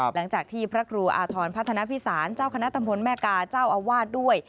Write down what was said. หลังจากที่พระครูอาทรพัฒนภิสารเจ้าคณะตำบลแม่กาเจ้าอาวาสด้วย